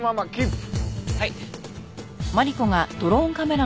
はい。